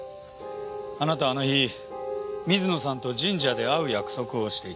あなたあの日水野さんと神社で会う約束をしていた。